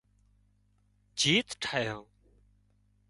جيت ٺاهيان